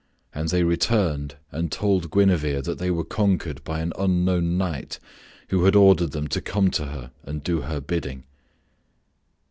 And they returned and told Guinevere that they were conquered by an unknown knight who had ordered them to come to her and do her bidding.